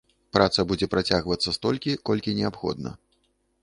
Праца будзе працягвацца столькі, колькі неабходна.